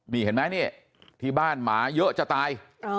นี่เห็นไหมนี่ที่บ้านหมาเยอะจะตาย